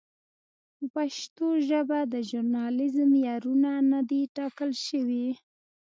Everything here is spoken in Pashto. په پښتو ژبه د ژورنالېزم معیارونه نه دي ټاکل شوي.